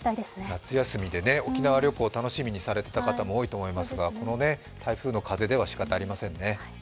夏休みで沖縄旅行を楽しみにされていた方も多いと思いますがこの台風の風ではしかたありませんね。